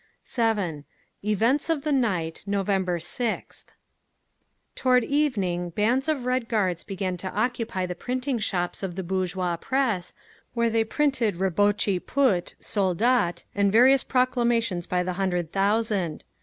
EVENTS OF THE NIGHT, NOVEMBER 6TH Toward evening bands of Red Guards began to occupy the printing shops of the bourgeois press, where they printed Rabotchi Put, Soldat, and various proclamations by the hundred thousand.